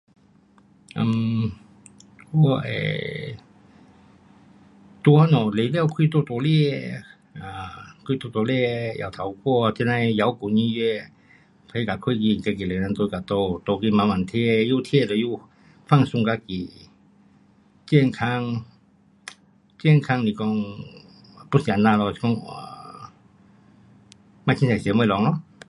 um 我会在家内 radio 开大大声，um 开大大声摇头歌，这呐的摇滚音乐，那角开着自己一个人一直躺，躺着慢慢听。又听了又放松自己，健康，健康来讲，不想我们是讲 um 别随便吃东西咯。